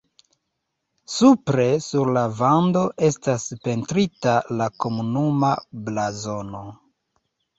Supre sur la vando estas pentrita la komunuma blazono.